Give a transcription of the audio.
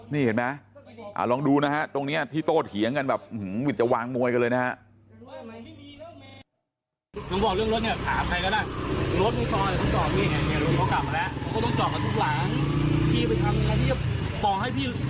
นี่เห็นไหมลองดูนะฮะตรงนี้ที่โต้เถียงกันแบบวิทย์จะวางมวยกันเลยนะฮะ